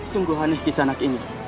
sungguh aneh kisanak ini